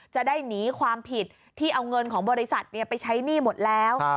จะได้หนีความผิดที่เอาเงินของบริษัทไปใช้หนี้หมดแล้ว